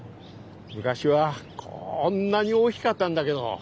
昔はこんなに大きかったんだけど。